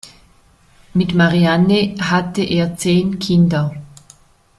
Mit Marianne hatte er zehn Kinder.